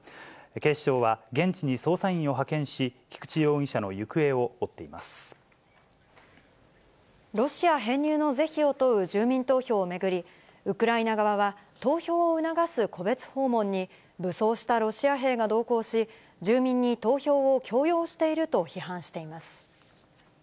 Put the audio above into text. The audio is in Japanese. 警視庁は、現地に捜査員を派遣し、ロシア編入の是非を問う住民投票を巡り、ウクライナ側は、投票を促す戸別訪問に、武装したロシア兵が同行し、住民に投票を強要していると批判しています。